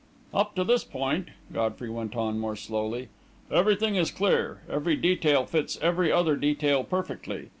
"Up to this point," Godfrey went on, more slowly, "everything is clear every detail fits every other detail perfectly.